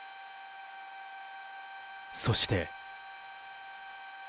そして。